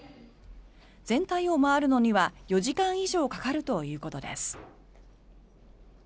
全体を回るのには４時間以上かかるということです。